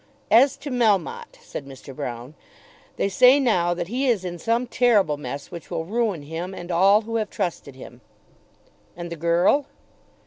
"As to Melmotte," said Mr. Broune, "they say now that he is in some terrible mess which will ruin him and all who have trusted him." "And the girl?"